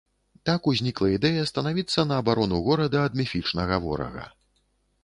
Так узнікла ідэя станавіцца на абарону горада ад міфічнага ворага.